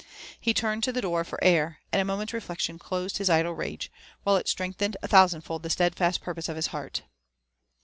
He turned to the door for air, and a moment's reflection closed his idle rage, while it strengthened a thousand fold the steadfast purpose of his heart.